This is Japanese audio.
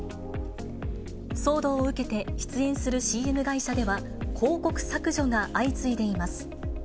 騒動を受けて、出演するＣＭ会社では、広告削除が相次いでいます。